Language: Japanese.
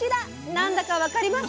何だか分かります？